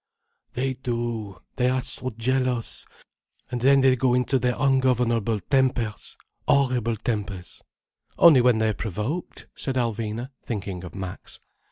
"They do. They are so jealous. And then they go into their ungovernable tempers, horrible tempers—" "Only when they are provoked," said Alvina, thinking of Max.